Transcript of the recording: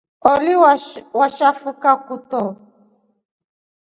Oli washafuka kutro.